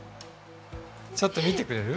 ちょっと見てくれる？